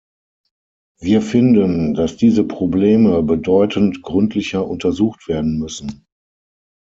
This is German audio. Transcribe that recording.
Wir finden, dass diese Probleme bedeutend gründlicher untersucht werden müssen.